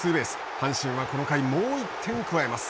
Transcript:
阪神はこの回もう一点加えます。